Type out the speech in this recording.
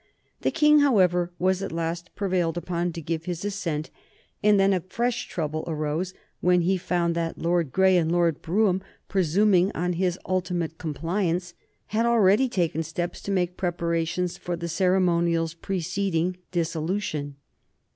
The King, however, was at last prevailed upon to give his assent, but then a fresh trouble arose when he found that Lord Grey and Lord Brougham, presuming on his ultimate compliance, had already taken steps to make preparations for the ceremonials preceding dissolution.